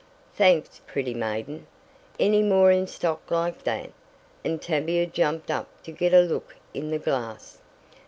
"Thanks, pretty maiden. Any more in stock like that?" and Tavia jumped up to get a look in the glass.